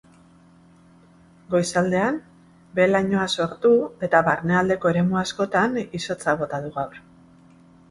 Goizaldean behe-lainoa sortu eta barnealdeko eremu askotan izotza bota du gaur.